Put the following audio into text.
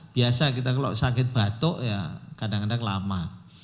biasa kita kalau sakit batuk ya kadang kadang lama